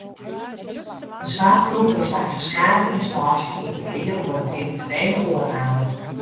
De soarchgroep is mei ferskate ynstânsjes yn petear oer in eventuele oername.